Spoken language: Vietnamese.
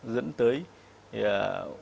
dẫn tới cái viêm gan c